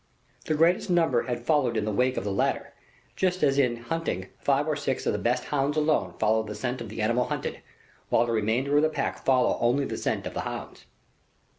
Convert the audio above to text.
The greatest number had followed in the wake of the latter, just as in hunting five or six of the best hounds alone follow the scent of the animal hunted, whilst the remainder of the pack follow only the scent of the hounds.